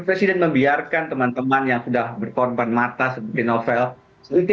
presiden membiarkan teman teman yang sudah berkorban mata seperti novel